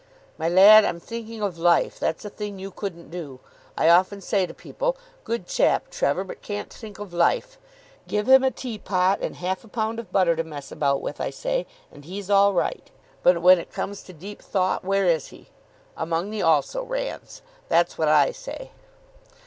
"My lad, I'm thinking of Life. That's a thing you couldn't do. I often say to people, 'Good chap, Trevor, but can't think of Life. Give him a tea pot and half a pound of butter to mess about with,' I say, 'and he's all right. But when it comes to deep thought, where is he? Among the also rans.' That's what I say."